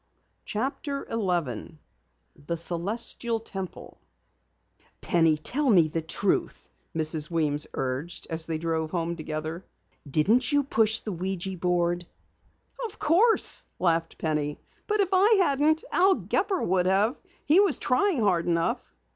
CHAPTER 11 THE CELESTIAL TEMPLE "Penny, tell me the truth," Mrs. Weems urged as they drove home together. "Didn't you push the ouija board?" "Of course," laughed Penny. "But if I hadn't, Al Gepper would have. He was trying hard enough!"